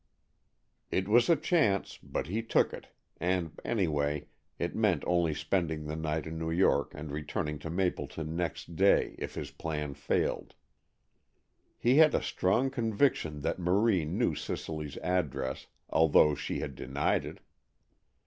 It was a chance, but he took it and, any way, it meant only spending the night in New York, and returning to Mapleton next day, if his plan failed. He had a strong conviction that Marie knew Cicely's address, although she had denied it.